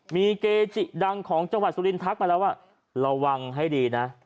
มีเกจิดังของจังหวัดสุรินทักมาแล้วว่าระวังให้ดีนะ